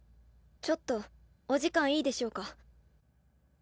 ちょっとお時間いいでしょうか。